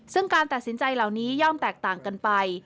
ซึ่งการตัดสินใจเหล่านี้ย่อมแตกต่างกันไป